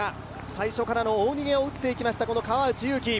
最初からの大逃げを打っていきました、川内優輝。